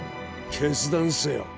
決断せよ。